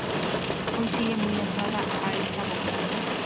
Hoy sigue muy atada a esta vocación.